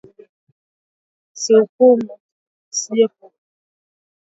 Usi hukumu usije kuhukumiwa